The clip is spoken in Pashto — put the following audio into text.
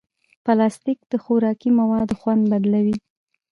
پلاستيک د خوراکي موادو خوند بدلوي.